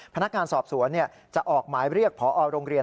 พนักงานสอบสวนจะออกหมายเรียกพอโรงเรียน